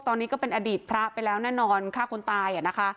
ตอนนี้ก็เป็นอดีตพระไปแล้วแน่นอนฆ่าคนตายนะคะ